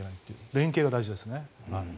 連携が大事ですね。